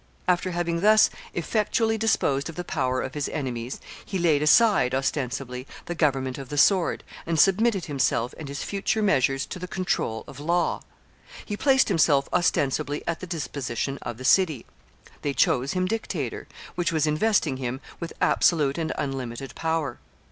After having thus effectually disposed of the power of his enemies, he laid aside, ostensibly, the government of the sword, and submitted himself and his future measures to the control of law. He placed himself ostensibly at the disposition of the city. They chose him dictator, which was investing him with absolute and unlimited power.